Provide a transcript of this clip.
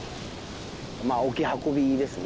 まあ沖運びですね。